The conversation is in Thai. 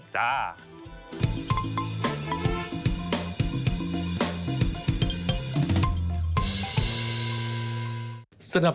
จ้า